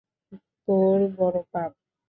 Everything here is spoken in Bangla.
তোর বড় বাপ!